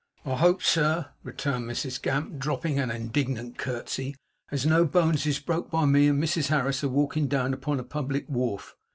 'I hope, sir,' returned Mrs Gamp, dropping an indignant curtsey, 'as no bones is broke by me and Mrs Harris a walkin' down upon a public wharf.